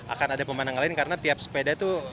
akan ada pemandang lain karena tiap sepeda tuh